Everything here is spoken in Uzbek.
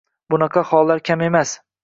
bunaqa hollar kam emas